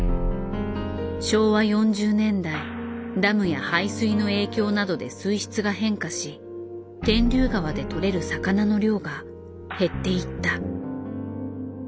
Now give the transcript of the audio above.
昭和４０年代ダムや排水の影響などで水質が変化し天竜川で取れる魚の量が減っていった。